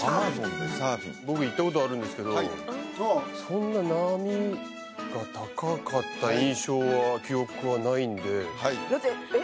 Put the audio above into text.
サーフィン僕行ったことあるんですけどそんな波が高かった印象は記憶はないんでだってえっ？